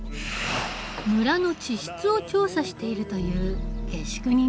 村の地質を調査しているという下宿人のネイト。